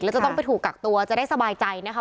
แล้วจะต้องไปถูกกักตัวจะได้สบายใจนะคะ